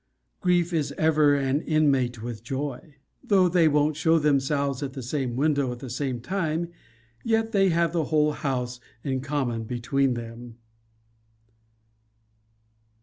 Grief is ever an inmate with joy. Though they won't show themselves at the same window at one time; yet they have the whole house in common between them.